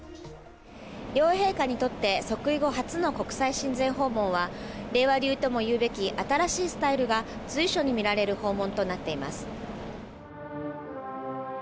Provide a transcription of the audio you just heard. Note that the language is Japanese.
両陛下にとって即位後初の国際親善訪問は令和流ともいうべき新しいスタイルが随所に見られる訪問となっています。